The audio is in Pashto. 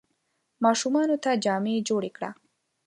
ماشومانو ته جامې جوړي کړه !